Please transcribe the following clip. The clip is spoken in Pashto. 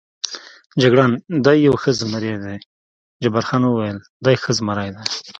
جګړن: دی یو ښه زمري دی، جبار خان وویل: دی ښه زمري دی.